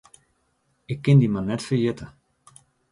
Ik kin dy mar net ferjitte.